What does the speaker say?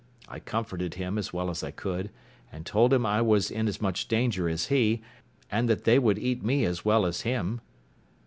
I comforted him as well as I could, and told him I was in as much danger as he, and that they would eat me as well as him.